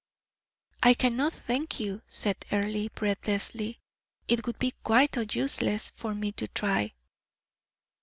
"I cannot thank you," said Earle, breathlessly; "it would be quite useless for me to try."